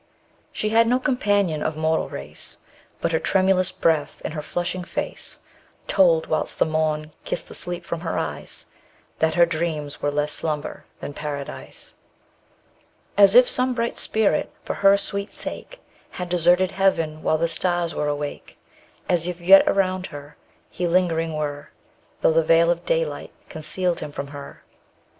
She had no companion of mortal race, But her tremulous breath and her flushing face Told, whilst the morn kissed the sleep from her eyes, _15 That her dreams were less slumber than Paradise: As if some bright Spirit for her sweet sake Had deserted Heaven while the stars were awake, As if yet around her he lingering were, Though the veil of daylight concealed him from her.